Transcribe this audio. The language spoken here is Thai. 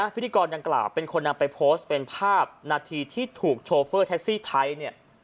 ไปโพสเป็นภาพนาทีที่ถูกโชเฟอร์แท็กซี่ไทยเนี่ย